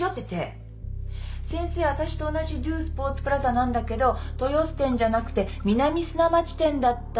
先生わたしと同じドゥ・スポーツプラザなんだけど豊洲店じゃなくて南砂町店だった。